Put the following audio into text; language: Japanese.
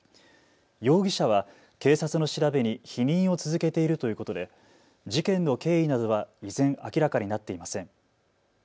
容疑者は警察の調べに否認を続けているということで事件の経緯などは依然明らかになっていません。